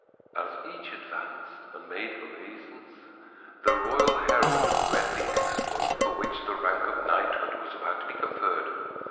As each advanced and made obeisance, the royal herald read the exploit for which the rank of knighthood was about to be conferred.